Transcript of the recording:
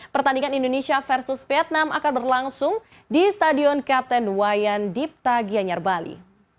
pertandingan indonesia versus vietnam akan berlangsung di stadion kapten wayan dipta gianyar bali